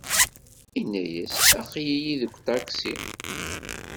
Ini-as aql-iyi deg uṭaksi.